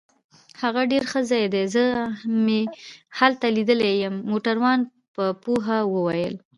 هغه ډیر ښه ځای دی، زه مې هلته لیدلی يې. موټروان په پوهه وویل.